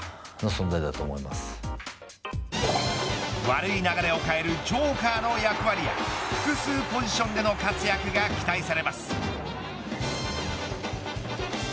悪い流れを変えるジョーカーの役割や複数ポジションでの活躍が期待されます。